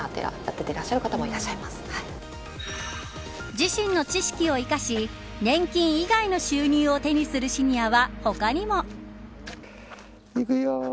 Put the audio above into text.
自身の知識を生かし年金以外の収入を手にするシニアは他にも。